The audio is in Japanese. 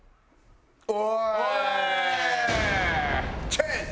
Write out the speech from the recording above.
チェンジ！